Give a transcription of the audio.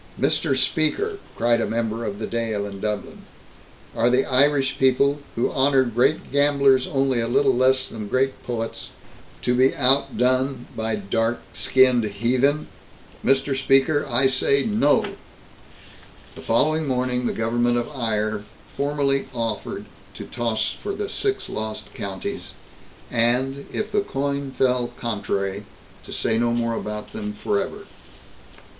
"Mr. Speaker!" cried a member of the Dail in Dublin. "Are the Irish people, who honor great gamblers only a little less than great poets, to be outdone by dark skinned heathen? Mr. Speaker, I say no!" The following morning, the government of Eire formally offered to toss for the Six Lost Counties and, if the coin fell contrary, to say no more about them forever.